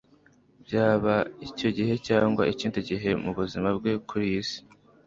Byaba icyo gihe cyangwa ikindi gihe mu buzima bwe kuri iyi si,